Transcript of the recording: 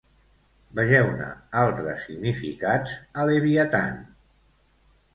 Vegeu-ne altres significats a «Leviathan».